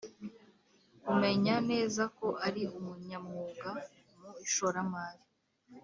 kumenya neza ko ari umunyamwuga mu ishoramari